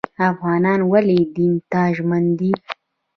افغانان ولې دین ته ژمن دي؟